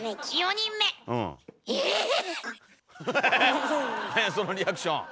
なんやそのリアクション！